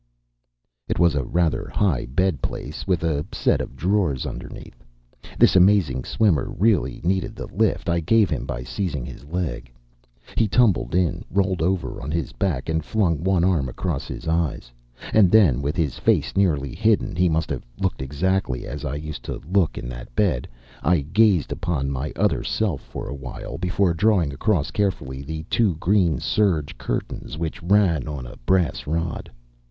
It was a rather high bed place with a set of drawers underneath. This amazing swimmer really needed the lift I gave him by seizing his leg. He tumbled in, rolled over on his back, and flung one arm across his eyes. And then, with his face nearly hidden, he must have looked exactly as I used to look in that bed. I gazed upon my other self for a while before drawing across carefully the two green serge curtains which ran on a brass rod.